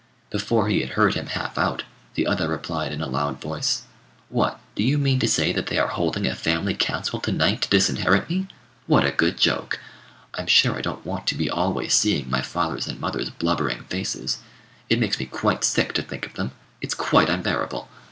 Before he had heard him half out, the other replied in a loud voice "What, do you mean to say that they are holding a family council to night to disinherit me? What a good joke! I'm sure I don't want to be always seeing my father's and mother's blubbering faces; it makes me quite sick to think of them: it's quite unbearable.